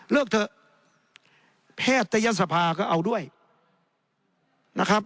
เลิกเถอะแพทย์ตะยะสภาก็เอาด้วยนะครับ